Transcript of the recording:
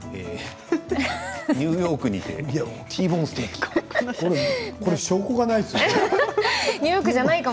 ニューヨークにてＴボーンステーキですか？